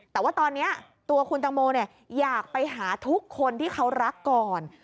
แต่ว่าตอนนี้ตัวคุณตังโมอยากไปหาทุกคนที่เขารักก่อน